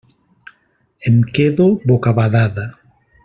Em quedo bocabadada.